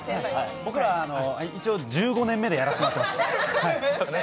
僕ら一応１５年目でやらせてもらってます。